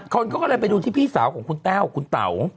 คนก็เลยไปดูที่พี่สาวของคุณแต้วคุณเต๋า